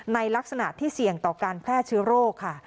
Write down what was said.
ในลักษณะที่เสี่ยงต่อการแพร่เชื้อโรคค่ะ